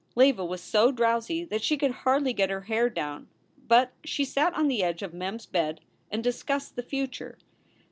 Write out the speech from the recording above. Leva was so drowsy that she could hardly get her hair down, but she sat on the edge of Mem s bed and discussed the future.